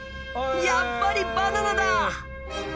やっぱりバナナだ！